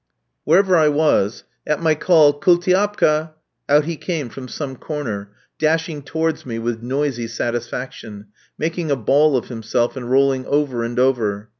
Wherever I was, at my call, "Koultiapka," out he came from some corner, dashing towards me with noisy satisfaction, making a ball of himself, and rolling over and over.